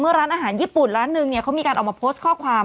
ร้านอาหารญี่ปุ่นร้านนึงเนี่ยเขามีการออกมาโพสต์ข้อความ